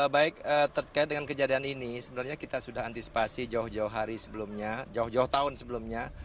baik terkait dengan kejadian ini sebenarnya kita sudah antisipasi jauh jauh hari sebelumnya jauh jauh tahun sebelumnya